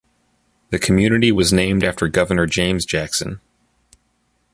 The community was named after governor James Jackson.